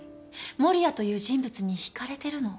守谷という人物に引かれてるの。